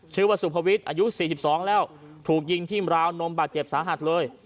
ชื่อว่าสุภวิทย์อายุ๔๒แล้วถูกยิงที่ราวนมบาดเจ็บสาหัสเลย